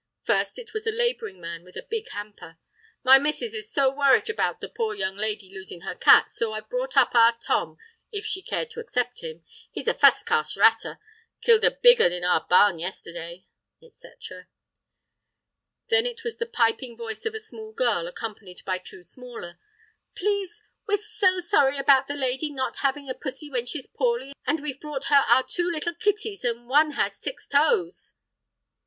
First it was a labouring man with a big hamper: "My missus is so worrit about the poor young lady losing her cat, so I've brought up our Tom, if she'd care to accept him. He's a fust class ratter—killed a big 'un in our barn yesterday," etc. Then it was the piping voice of a small girl, accompanied by two smaller: "Please, we're so sorry about the lady not having a pussy when she's poorly, and we've brought her our two little kitties, an' one has six toes!"